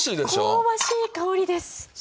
香ばしい香りです！